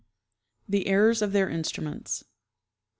The Errors of their Lutrimients.